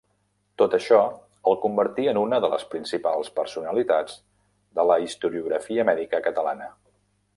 Tot això el convertí en una de les principals personalitats de la historiografia mèdica catalana.